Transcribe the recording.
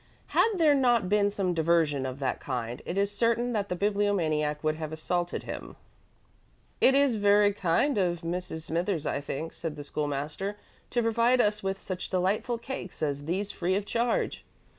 Had there not been some diversion of that kind, it is certain that the Bibliomaniac would have assaulted him. "It is very kind of Mrs. Smithers, I think," said the School master, "to provide us with such delightful cakes as these free of charge."